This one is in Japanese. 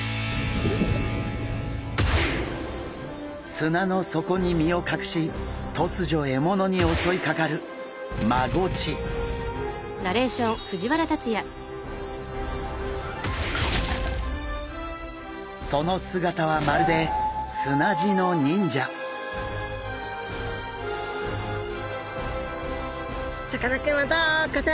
砂の底に身を隠し突如獲物に襲いかかるその姿はまるでさかなクンはどこだ？